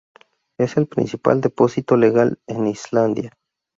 Es el principal depósito legal en Islandia.